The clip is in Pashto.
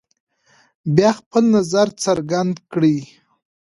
بیا خپل نظر څرګند کړئ.